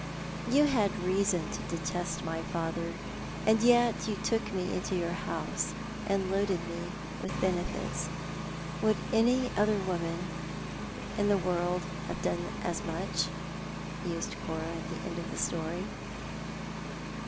" You had reason to detest my father; and yet you took me into your house, and loaded me with benefits. Would any other woman in the world have done as much ?" mused Cora, at the end of the story.